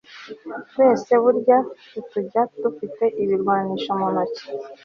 twese burya rutujyana dufite ibirwanisho mu ntoki